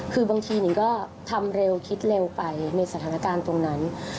คือบางทีนิงก็ทำเร็วคิดเร็วไปในสถานการณ์ตรงนั้น